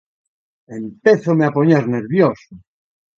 Empézome a poñer nervioso.